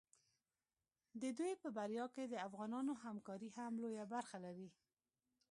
د دوی په بریا کې د افغانانو همکاري هم لویه برخه لري.